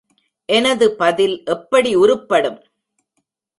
எனது பதில் எப்படி உருப்படும்?